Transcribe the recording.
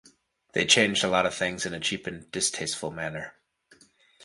They changed a lot of things in a cheap and distasteful manner.